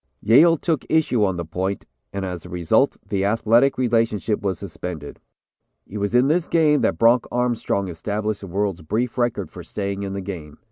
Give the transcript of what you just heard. "Yale took issue on the point, and as a result the athletic relationship was suspended. "It was in this game that Bronc Armstrong established the world's brief record for staying in the game.